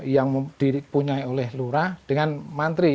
yang dipunyai oleh lurah dengan mantri